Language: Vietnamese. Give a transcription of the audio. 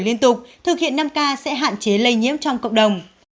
liên tục thực hiện năm k sẽ hạn chế lây nhiễm trong cộng đồng